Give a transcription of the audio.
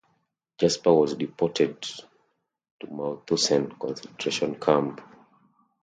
Jaspar was deported to Mauthausen concentration camp.